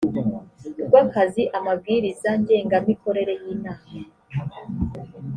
rw akazi amabwiriza ngengamikorere y inama